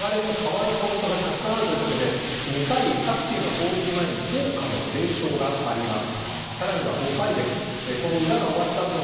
試合の流れが変わるポイントがたくさんあるということで２回各チームで攻撃前に高歌の斉唱が流れます。